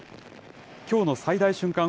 きょうの最大瞬間